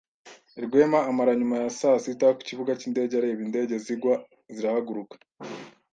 Rwema amara nyuma ya saa sita ku kibuga cy'indege areba indege zigwa zirahaguruka.